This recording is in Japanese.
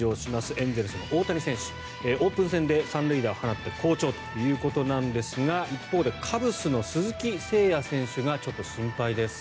エンゼルスの大谷選手オープン戦で３塁打を放って好調ということですが一方で、カブスの鈴木誠也選手がちょっと心配です。